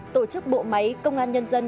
tổ chức bộ máy công an nhân dân